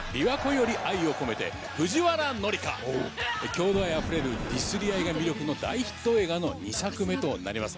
郷土愛あふれるディスり合いが魅力の大ヒット映画の２作目となります。